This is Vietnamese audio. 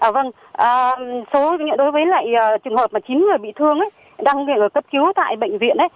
vâng đối với trường hợp chín người bị thương đang cấp cứu tại bệnh viện